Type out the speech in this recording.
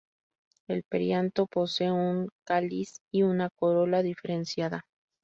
El perianto posee un cáliz y una corola diferenciada.